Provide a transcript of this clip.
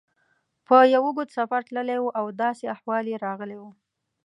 په یو اوږد سفر تللی و او داسې احوال یې راغلی و.